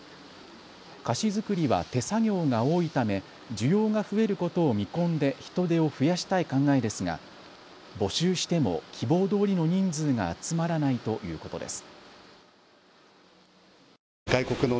菓子作りは手作業が多いため需要が増えることを見込んで人手を増やしたい考えですが募集しても希望どおりの人数が集まらないということです。